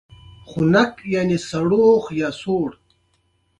موږ سره د يوه قوم او ملت په پېژنده کې مرسته کوي.